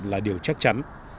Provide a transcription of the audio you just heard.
là điều chắc chắn